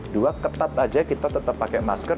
dua ketat aja kita tetap pakai masker